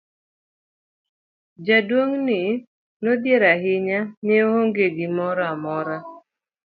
Jaduong' ni nodhier ahinya, ne oonge gimoro amora.